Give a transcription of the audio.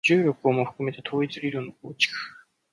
重力をも含めた統一理論の構築